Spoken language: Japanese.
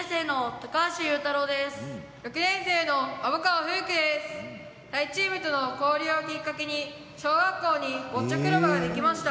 タイチームとの交流をきっかけに小学校にボッチャクラブができました。